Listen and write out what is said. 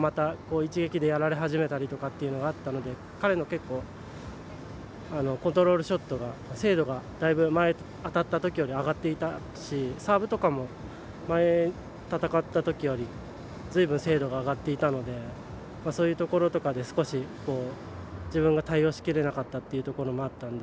、一撃でやられ始めたりとかいうのがあったので彼のコントロールショットが精度がだいぶ前当たったときより上がっていたしサーブとかも前戦ったときよりずいぶん精度が上がっていたのでそういうところとかで自分が対応しきれなかったというのもあったので。